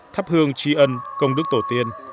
thắp hương trí ân công đức tổ tiên